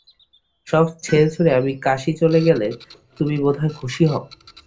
সব ছেড়েছুড়ে আমি কাশী চলে গেলে তমি বোধহয় খুশি হও?